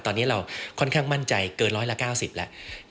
ตอนนี้เราค่อนข้างมั่นใจเกินร้อยละ๙๐แล้ว